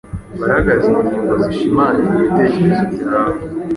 ugaragaze ingingo zishimangira ibitekerezo byawe.